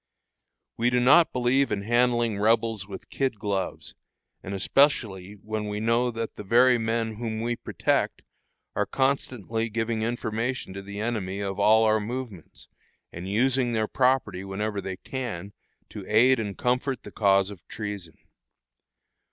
We do not believe in handling Rebels with kid gloves, and especially when we know that the very men whom we protect are constantly giving information to the enemy of all our movements, and using their property whenever they can to aid and comfort the cause of treason.